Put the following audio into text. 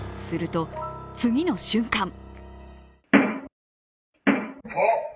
すると次の瞬間